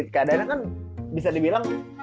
keadaannya kan bisa dibilang